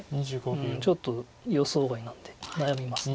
うんちょっと予想外なんで悩みます。